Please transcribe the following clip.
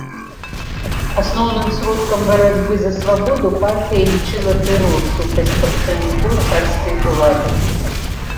Асноўным сродкам барацьбы за свабоду партыя лічыла тэрор супраць прадстаўнікоў царскай улады.